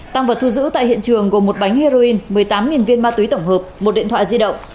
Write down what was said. tăng vật thu giữ tại hiện trường gồm một bánh heroin một mươi tám viên ma túy tổng hợp một điện thoại di động